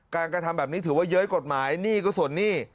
กระทำแบบนี้ถือว่าเย้ยกฎหมายหนี้ก็ส่วนหนี้